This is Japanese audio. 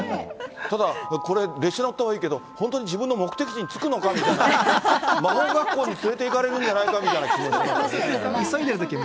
ただ、これ、列車乗ったはいいけど、本当に自分の目的地に着くのかみたいな、魔法学校に連れていかれるんじゃないかみたいな気持ちになってね。